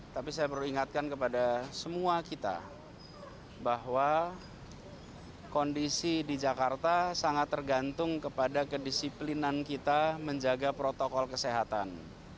tapi saya perlu ingatkan kepada semua kita bahwa kondisi di jakarta sangat tergantung kepada kedisiplinan kita menjaga protokol kesehatan